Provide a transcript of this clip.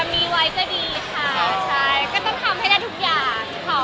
อ่ะมีไว้จะดีค่ะก็ต้องทำให้ได้ทุกอย่าง